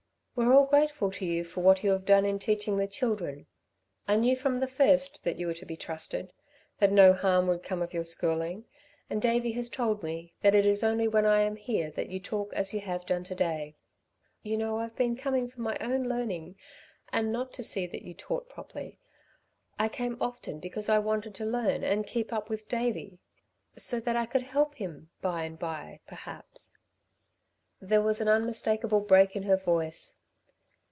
"We're all grateful to you for what you have done in teaching the children. I knew from the first that you were to be trusted that no harm would come of your schooling and Davey has told me that it is only when I am here that you talk as you have done to day. You know I've been coming for my own learning and not to see that you taught properly. I came often because I wanted to learn, and keep up with Davey ... so that I could help him by and by, perhaps." There was an unmistakable break in her voice.